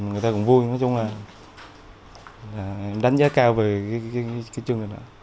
người ta cũng vui nói chung là đánh giá cao về cái chương trình đó